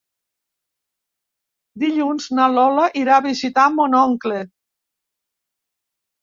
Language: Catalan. Dilluns na Lola irà a visitar mon oncle.